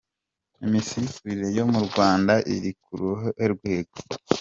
Imisifurire yo mu Rwanda iri ku ruhe rwego?.